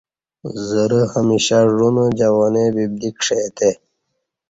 زرہ ہمیشہ ژ ونہ جوانی ببدی کݜے تہ